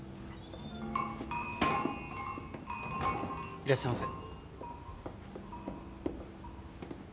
いらっしゃいませ。